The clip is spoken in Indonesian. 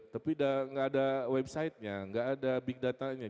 tapi tidak ada websitenya tidak ada big datanya